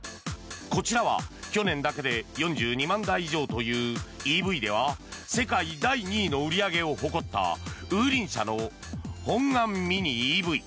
こちらは去年だけで４２万台以上というＥＶでは世界第２位の売り上げを誇ったウーリン社のホンガンミニＥＶ。